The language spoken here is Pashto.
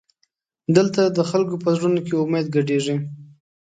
دلته د خلکو په زړونو کې امید ګډېږي.